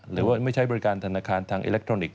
หรือว่าไม่ใช้บริการธนาคารทางอิเล็กทรอนิกส